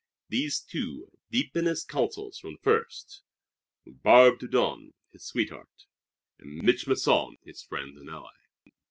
These two, deep in his counsel's from the first, were Barbe Dieudonné, his sweetheart, and Mich' Masson, his friend and ally.